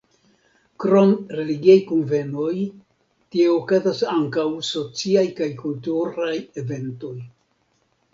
Krom religiaj kunvenoj, tie okazas ankaŭ sociaj kaj kulturaj eventoj.